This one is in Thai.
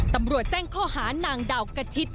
ตำรวจแจ้งข้อหานางดาวกระชิด